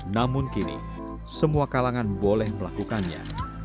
namun kini semua kalangan boleh melakukannya